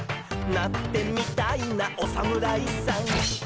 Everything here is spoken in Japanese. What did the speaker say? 「なってみたいなおさむらいさん」